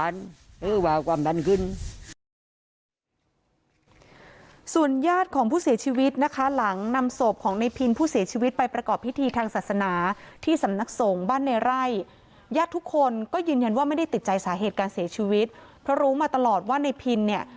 ส่วนญาติของผู้เสียชีวิตหลังนำโสบของในพินผู้เสียชีวิตไปประกอบพิธีทางศาสนาที่สำนักโสงบ้านในไร่